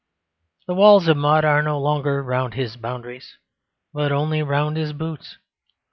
The walls of mud are no longer round his boundaries, but only round his boots.